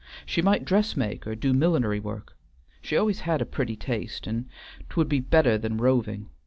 She might dressmake or do millinery work; she always had a pretty taste, and 't would be better than roving.